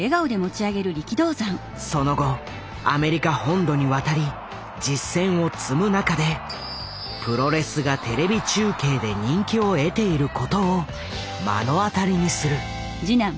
その後アメリカ本土に渡り実戦を積む中でプロレスが「テレビ中継」で人気を得ていることを目の当たりにする。